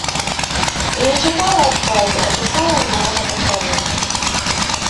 І не чакала адказу, а чакала новага пацалунку.